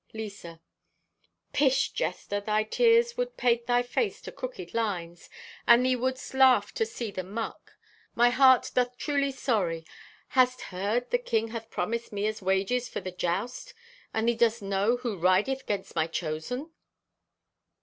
(Lisa) "Pish, jester, thy tears would paint thy face to crooked lines, and thee wouldst laugh to see the muck. My heart doth truly sorry. Hast heard the King hath promised me as wages for the joust? And thee dost know who rideth 'gainst my chosen?"